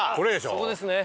そこですね。